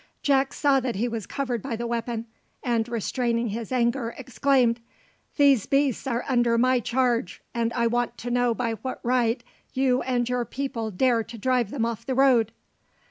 Jack saw that he was covered by the weapon, and restraining his anger exclaimed, "These beasts are under my charge, and I want to know by what right you and your people dare to drive them off the road?"